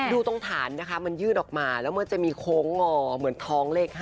ดูตรงฐานนะคะมันยืดออกมาแล้วมันจะมีโค้งงอเหมือนท้องเลข๕